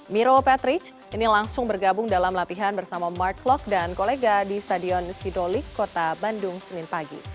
miro patrick ini langsung bergabung dalam latihan bersama mark klok dan kolega di stadion sidolik kota bandung senin pagi